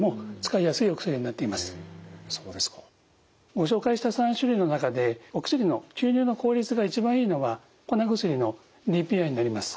ご紹介した３種類の中でお薬の吸入の効率が一番いいのは粉薬のＤＰＩになります。